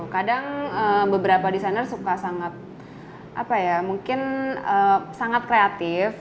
kadang beberapa desainer suka sangat apa ya mungkin sangat kreatif